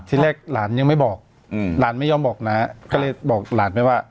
ที่แรกหลานยังไม่บอกอืมหลานไม่ยอมบอกน้าก็เลยบอกหลานไปว่า